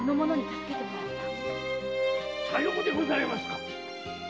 さようでございますか。